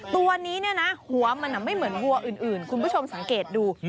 ตัวนี้เนี่ยนะหัวมันไม่เหมือนวัวอื่นคุณผู้ชมสังเกตดู